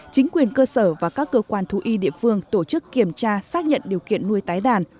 chính quyền cơ sở và các cơ quan thú y địa phương tổ chức kiểm tra xác nhận điều kiện nuôi tái đàn